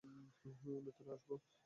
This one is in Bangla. ভেতরে আসবো?